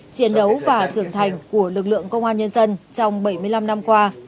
chiến đấu và trưởng thành của lực lượng công an nhân dân trong bảy mươi năm năm qua